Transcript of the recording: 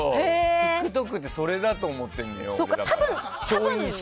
ＴｉｋＴｏｋってそれだと思ってるんだよ。